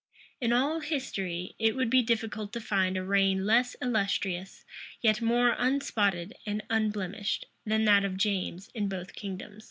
In all history, it would be difficult to find a reign less illustrious, yet more unspotted and unblemished, than that of James in both kingdoms.